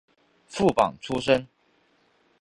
副榜出身。